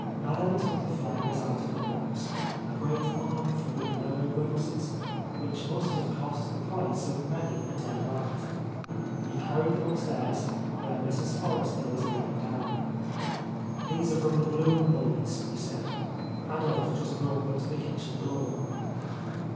Niel took the flowers out of the box, a great armful of yellow roses, which must have cost the price of many a dead rabbit. He carried them upstairs, where Mrs. Forrester was lying down. "These are from the Blum boys," he said. "Adolph just brought them to the kitchen door."